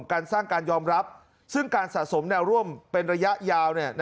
การสร้างการยอมรับซึ่งการสะสมแนวร่วมเป็นระยะยาว